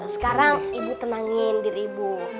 sekarang ibu tenangin diri ibu